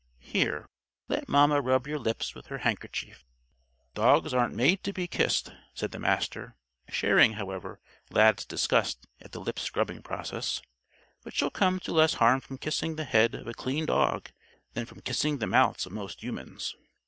Here! Let Mamma rub your lips with her handkerchief." "Dogs aren't made to be kissed," said the Master, sharing, however, Lad's disgust at the lip scrubbing process. "But she'll come to less harm from kissing the head of a clean dog than from kissing the mouths of most humans.